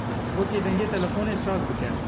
Wekî dengê telefonê saz bike.